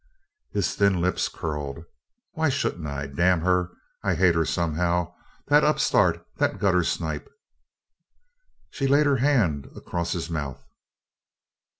His thin lips curled. "Why shouldn't I? Damn her I hate her, somehow. The upstart the gutter snipe!" She laid her hand across his mouth.